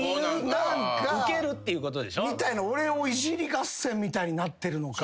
俺をいじり合戦みたいになってるのか。